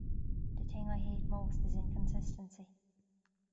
The thing I hate most is inconsistency.